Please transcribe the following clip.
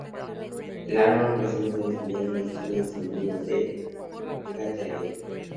El álbum presenta el sonido y estilo distintivos en The Gathering.